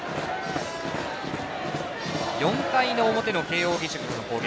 ４回の表の慶応義塾の攻撃。